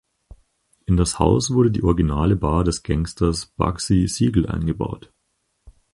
In das Haus wurde die originale Bar des Gangsters Bugsy Siegel eingebaut.